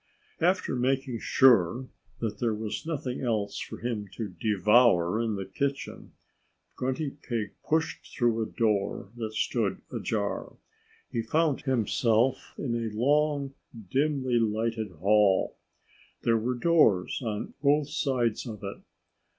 After making sure that there was nothing else for him to devour in the kitchen Grunty Pig pushed through a door that stood ajar. He found himself in a long, dimly lighted hall. There were doors on both sides of it.